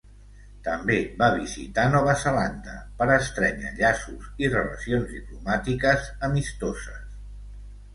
També va visitar Nova Zelanda per estrènyer llaços i relacions diplomàtiques amistoses.